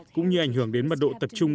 cũng như ảnh hưởng đến mật độ tập trung